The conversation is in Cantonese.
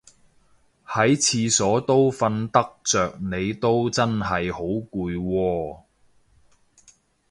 喺廁所都瞓得着你都真係好攰喎